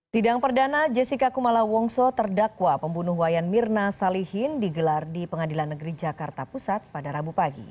sidang perdana jessica kumala wongso terdakwa pembunuh wayan mirna salihin digelar di pengadilan negeri jakarta pusat pada rabu pagi